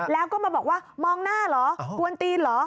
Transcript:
แล้วก็มาบอกว่ามองหน้าเหรอกวนตีนเหรอ